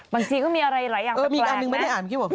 บางทีก็มีอะไรหลายอย่างแต่แปลงนะ